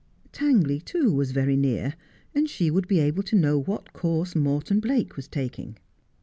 Tangley, too, was very near, and she would be able to know what course Morton Blake was taking.